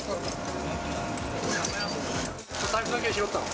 財布だけ拾ったの？